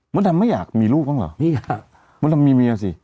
มันท่านไม่อยากมีลูกบ้างเหรอมันต้องมีเมียสิ